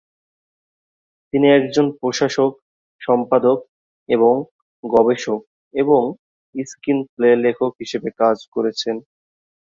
তিনি একজন প্রশাসক, সম্পাদক, এবং গবেষক এবং স্ক্রিন প্লে লেখক হিসেবে কাজ করেছেন।